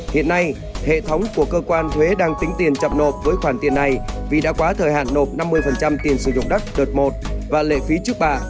hiện nay hệ thống của cơ quan thuế đang tính tiền chậm nộp với khoản tiền này vì đã quá thời hạn nộp năm mươi tiền sử dụng đất đợt một và lệ phí trước bạ